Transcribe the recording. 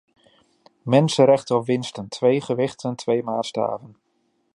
Mensenrechten of winsten - twee gewichten, twee maatstaven.